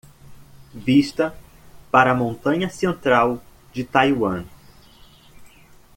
Vista para a montanha central de Taiwan